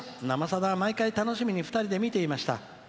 「生さだ」は毎回楽しみに２人で見ていました。